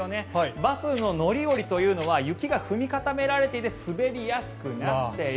バスの乗り降りというのは雪が踏み固められていて滑りやすくなっている。